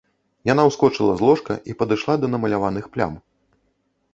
Яна ўскочыла з ложка і падышла да намаляваных плям.